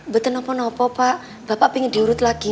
betul apa apa pak bapak pengen diurut lagi